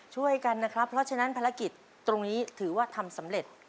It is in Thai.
ช่วยกันนะครับเพราะฉะนั้นภารกิจตรงนี้ถือว่าทำสำเร็จ